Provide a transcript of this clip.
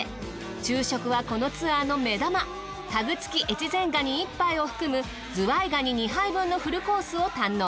昼食はこのツアーの目玉タグ付き越前ガニ１杯を含むズワイガニ２杯分のフルコースを堪能。